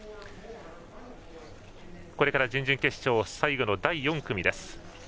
これから準々決勝最後の第４組です。